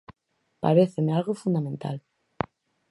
Paréceme algo fundamental.